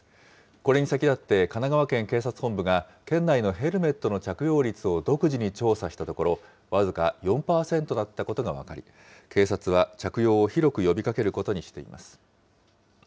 これに先だって、神奈川県警察本部が県内のヘルメットの着用率を独自に調査したところ、僅か４％だったことが分かり、警察は、着用を広く呼びかけることにしています。